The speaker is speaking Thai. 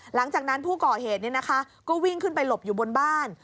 หลังจากนั้นผู้ก่อเหตุก็วิ่งขึ้นไปหลบอยู่บนบ้าน